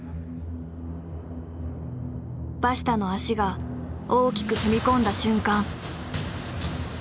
バシタの足が大きく踏み込んだ瞬間。